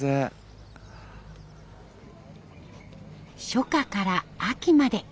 初夏から秋まで。